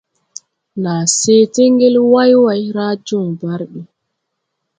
Naa se ti ngel wayway raa joo barbi.